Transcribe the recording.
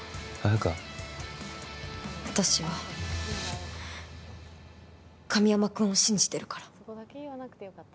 私は神山君を信じてるから。